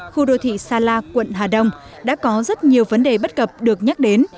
khu đô thị sa la quận hà đông đã có rất nhiều vấn đề bất cập được nhắc đến